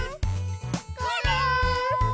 ころん。